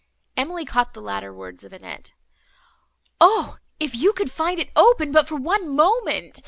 Emily caught the latter words of Annette. "O! if you could find it open, but for one moment!"